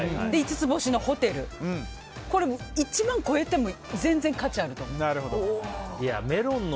５つ星のホテル１万を超えても全然価値があると思う。